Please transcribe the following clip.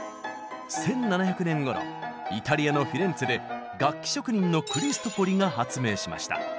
１７００年ごろイタリアのフィレンツェで楽器職人のクリストフォリが発明しました。